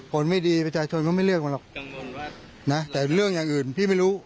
คนไม่ดีประชาชนก็ไม่เลือกมันหรอกนะแต่เรื่องอย่างอื่นพี่ไม่รู้